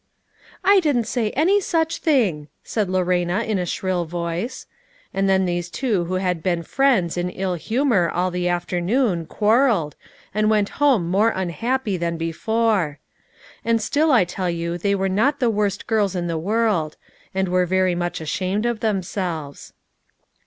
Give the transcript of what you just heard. " I didn't say any snch thing," said Lorena in a shrill voice ; and then these two who had been friends in ill humor all the afternoon quarreled, and went home more unhappy than before. And still I tell you they were not the worst girls in the world ; and were very much ashamed of themselves.